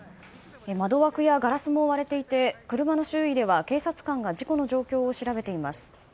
窓枠やガラスも割れていて車の周囲では事故の状況を調べています。